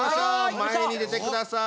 前に出てください。